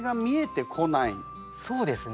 そうですね。